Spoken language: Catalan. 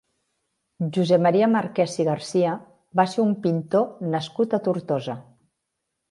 Josep Maria Marquès i García va ser un pintor nascut a Tortosa.